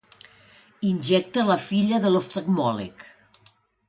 Injecta la filla de l'oftalmòleg.